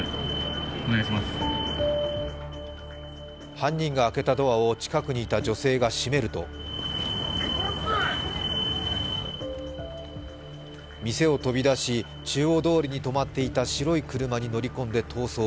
犯人が開けたドアを近くにいた女性が閉めると店を飛び出し、中央通りに止まっていた白い車に乗り込んで逃走。